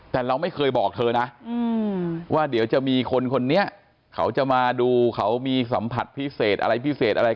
แต่เราไม่เคยบอกเธอนะว่าเดี๋ยวจะมีคนเขาจะมาดูเขามีสัมผัสพิเศษอะไร